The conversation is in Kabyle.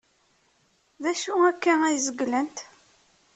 D acu akka ay zeglent?